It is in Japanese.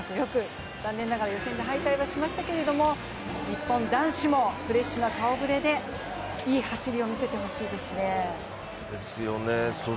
残念ながら予選で敗退はしましたけど、日本男子もフレッシュな顔ぶれで、いい走りを見せてほしいですね。